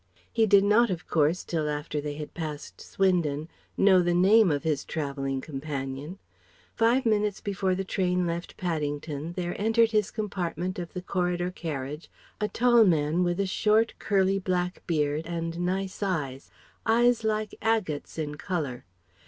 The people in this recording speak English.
He did not of course till after they had passed Swindon know the name of his travelling companion. Five minutes before the train left Paddington there entered his compartment of the corridor carriage a tall man with a short, curly black beard and nice eyes eyes like agates in colour.